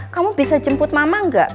kamu bisa jemput mama nggak